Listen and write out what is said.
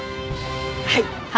はい。